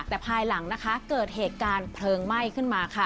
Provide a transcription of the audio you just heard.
แต่ภายหลังนะคะเกิดเหตุการณ์เพลิงไหม้ขึ้นมาค่ะ